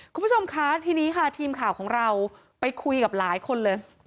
คุณผู้ชมคะทีนี้ค่ะทีมข่าวของเราไปคุยกับหลายคนเลย